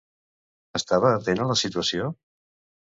Estava atent a la situació?